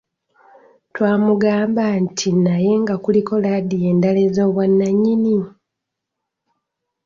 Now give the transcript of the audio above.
Twamugamba nti naye nga kuliko laadiyo endala ez'obwannanyini?